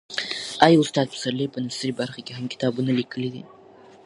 آیا استاد پسرلی په نثري برخه کې هم کتابونه لیکلي دي؟